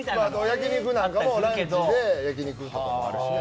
焼き肉なんかもランチで焼き肉とか。